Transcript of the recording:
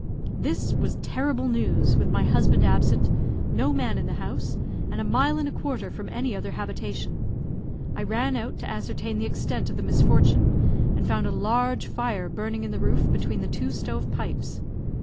This was terrible news, with my husband absent, no man in the house, and a mile and a quarter from any other habitation. I ran out to ascertain the extent of the misfortune, and found a large fire burning in the roof between the two stove pipes.